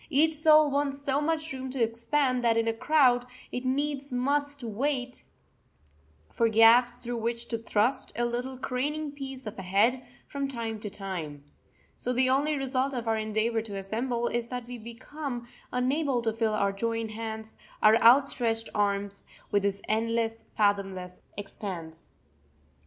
Each soul wants so much room to expand that in a crowd it needs must wait for gaps through which to thrust a little craning piece of a head from time to time. So the only result of our endeavour to assemble is that we become unable to fill our joined hands, our outstretched arms, with this endless, fathomless expanse.